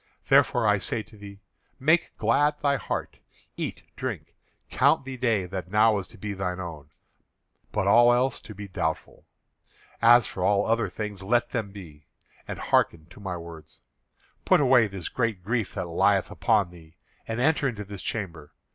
Therefore I say to thee: Make glad thy heart; eat, drink, count the day that now is to be thine own, but all else to be doubtful. As for all other things, let them be, and hearken to my words. Put away this great grief that lieth upon thee, and enter into this chamber.